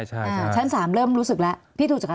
มีความรู้สึกว่ามีความรู้สึกว่ามีความรู้สึกว่า